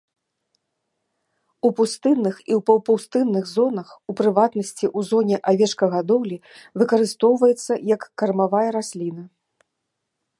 У пустынных і паўпустынных зонах, у прыватнасці, у зоне авечкагадоўлі, выкарыстоўваецца як кармавая расліна.